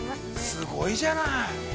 ◆すごいじゃない。